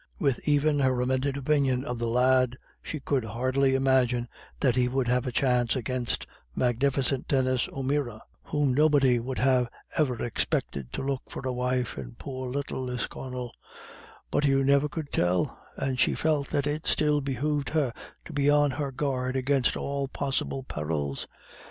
With even her amended opinion of the lad she could hardly imagine that he would have a chance against magnificent Denis O'Meara, whom nobody would have ever expected to look for a wife in poor little Lisconnel but you never could tell, and she felt that it still behoved her to be on her guard against all possible perils.